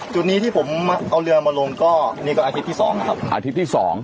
จุดนี้ที่ผมเอาเรือมาลงก็นี่ก็อาทิตย์ที่สองนะครับอาทิตย์ที่สอง